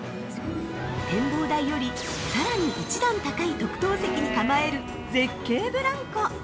◆展望台より、さらに一段高い特等席に構える絶景ブランコ。